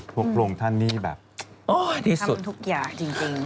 พระองค์ท่านนี่แบบที่สุดทุกอย่างจริง